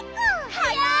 はやい！